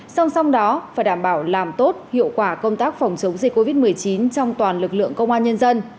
song song đó phải đảm bảo làm tốt hiệu quả công tác phòng chống dịch covid một mươi chín trong toàn lực lượng công an nhân dân